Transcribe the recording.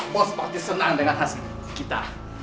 bos pasti senang dengan hasil kita